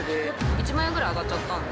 １万円ぐらい上がっちゃったんで。